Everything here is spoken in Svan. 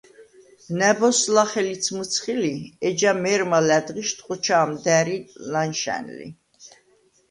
ნა̈ბოზს ლახე ლიც მჷცხი ლი, ეჯა მე̄რმა ლა̈დღიშდ ხოჩა̄მ და̈რი ლა̈ნშა̈ნ ლი.